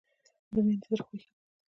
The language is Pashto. رومیان د زړه خوښي دي